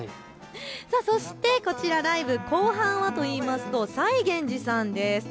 そしてこちら、ライブ後半はといいますとＳａｉｇｅｎｊｉさんです。